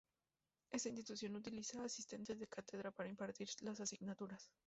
Esta institución no utiliza asistentes de cátedra para impartir las asignaturas.